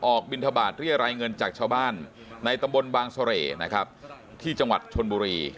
บินทบาทเรียรายเงินจากชาวบ้านในตำบลบางเสร่นะครับที่จังหวัดชนบุรี